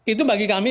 itu bagi kami